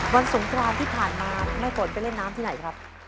สงครานที่ผ่านมาแม่ฝนไปเล่นน้ำที่ไหนครับ